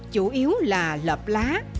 chủ yếu là lập lá